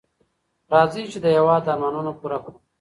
راځئ چي د هېواد ارمانونه پوره کړو.